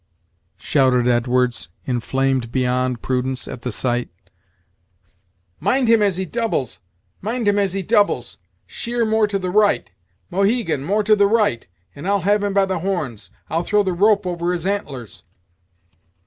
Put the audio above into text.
shouted Edwards, inflamed beyond prudence at the sight; "mind him as he doubles mind him as he doubles; sheer more to the right, Mohegan, more to the right, and I'll have him by the horns; I'll throw the rope over his antlers."